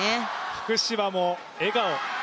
福島も笑顔。